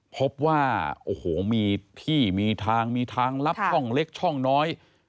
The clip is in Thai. พบว่าโอ้โหมีที่มีทางมีทางลับช่องเล็กช่องน้อย